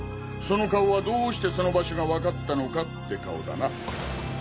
その顔はどうしてその場所が分かったのかって顔だな？